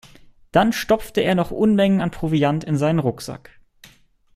Dann stopfte er noch Unmengen an Proviant in seinen Rucksack.